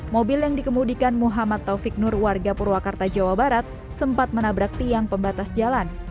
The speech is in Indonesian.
mobil yang dikemudikan muhammad taufik nur warga purwakarta jawa barat sempat menabrak tiang pembatas jalan